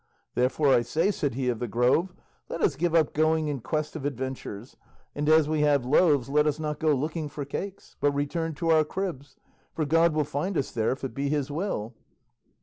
"Therefore, I say," said he of the Grove, "let us give up going in quest of adventures, and as we have loaves let us not go looking for cakes, but return to our cribs, for God will find us there if it be his will."